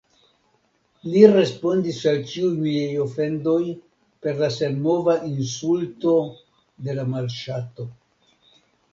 Li respondis al ĉiuj miaj ofendoj per la senmova insulto de la malŝato.